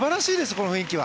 この雰囲気は。